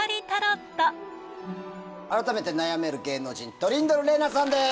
改めて悩める芸能人トリンドル玲奈さんです！